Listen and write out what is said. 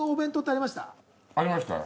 ありましたよ